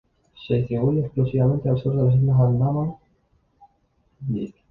Se distribuye exclusivamente al sur de las islas Andamán, India.